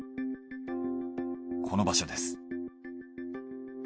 この場所です。